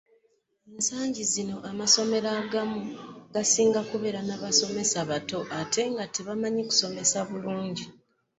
Ensangi zino amasomero agamu gasinga kubeera n'abasomesa bato ate nga tebamanyi kusomesa bulungi.